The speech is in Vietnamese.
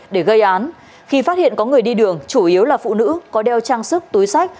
để gây án khi phát hiện có người đi đường chủ yếu là phụ nữ có đeo trang sức túi sách